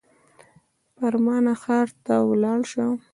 فرمانه ښار ته ولاړ سه.